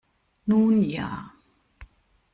Nun ja.